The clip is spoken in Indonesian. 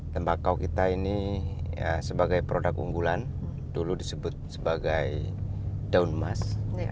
tembakau kita ini sebagai produk unggulan dulu disebut sebagai daun emas